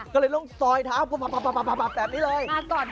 ก็เลยต้องซอยเท้าแบบนี้เลย